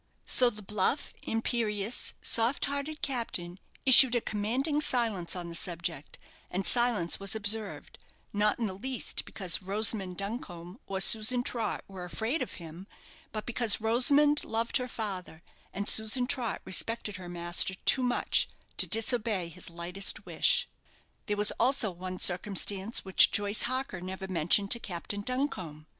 So the bluff, imperious, soft hearted captain issued an ukase commanding silence on the subject; and silence was observed, not in the least because Rosamond Duncombe or Susan Trott were afraid of him, but because Rosamond loved her father, and Susan Trott respected her master too much to disobey his lightest wish. There was also one circumstance which Joyce Harker never mentioned to Captain Duncombe.